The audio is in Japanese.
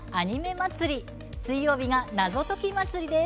１７日水曜日が謎解き祭です。